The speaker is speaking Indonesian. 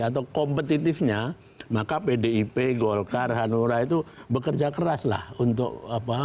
atau kompetitifnya maka pdip golkar hanura itu bekerja keras lah untuk apa